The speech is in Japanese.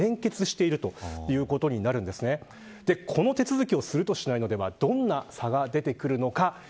この手続きをするとしないのとではどんな差が出てくるのか。